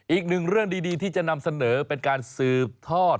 อีกหนึ่งเรื่องดีที่จะนำเสนอเป็นการสืบทอด